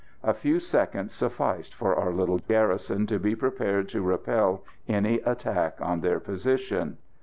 A few seconds sufficed for our little garrison to be prepared to repel any attack on their position.